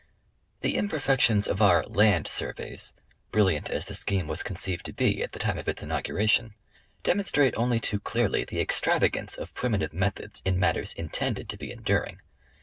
The imperfections of our " land surveys," brilliant as the scheme was conceived to be at the time of its inauguration, de monstrate only too clearly the extravagance of primitive methods in matters intended to be enduring.